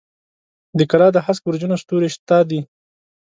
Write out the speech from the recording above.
د کلا د هسک برجونو ستوري ستا دي